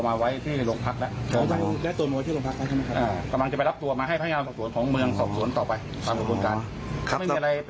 มันกำลังจะไปรับตัวมาให้พระยามสะสวนต่อไป